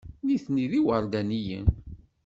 Nitni d iwerdaniyen.